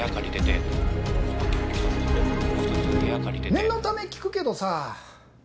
念のため聞くけどさ。